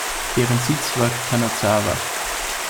Deren Sitz war Kanazawa.